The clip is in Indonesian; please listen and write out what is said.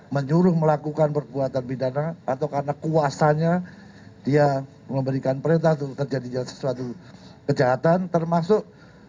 menyuruh melakukan perbuatan pidana atau karena kuasanya dia memberikan perintah untuk terjadi sesuatu kejahatan termasuk